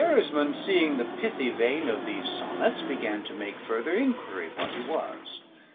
] Gerismond, seeing the pithy vein of those sonnets, began to make further inquiry what he was.